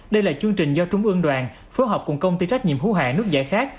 đây là chương trình do trung mương đoàn phối hợp cùng công ty trách nhiệm hữu hạ nước giải khác